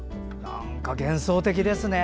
幻想的ですね。